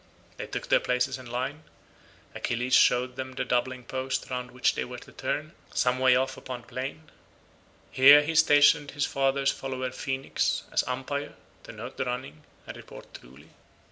They took their places in line; Achilles showed them the doubling post round which they were to turn, some way off upon the plain; here he stationed his father's follower Phoenix as umpire, to note the running, and report truly.